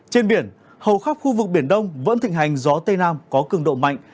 trên biển hầu khắp khu vực biển đông vẫn thịnh hành gió tây nam có cường độ mạnh